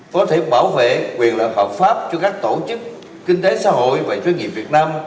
có thể bảo vệ quyền lợi hợp pháp cho các tổ chức kinh tế xã hội và doanh nghiệp việt nam